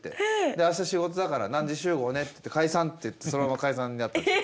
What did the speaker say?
「明日仕事だから何時集合ね」って言って「解散」って言ってそのまま解散になったんですよ。